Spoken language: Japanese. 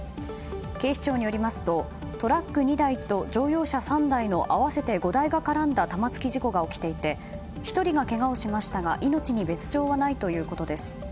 警視庁によりますとトラック２台と乗用車３台の合わせて５台が絡んだ玉突き事故が起きていて１人がけがをしましたが命に別条はないということです。